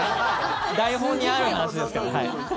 台本にあるはずですけど。